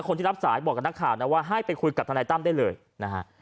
คนที่รับสายบอกกับนักข่าวนะว่าให้ไปคุยกับทนายตั้มได้เลยนะฮะ